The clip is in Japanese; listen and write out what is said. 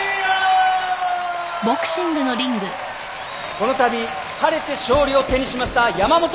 このたび晴れて勝利を手にしました山本知博選手です！